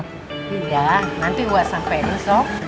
tidak nanti gua sampein sob